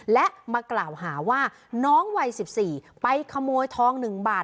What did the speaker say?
และมากล่าวหาว่าน้องวัยสิบสี่ไปขโมยทองหนึ่งบาท